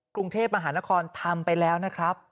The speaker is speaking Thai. กรุงเทพมหานครทำไปแล้วนะครับ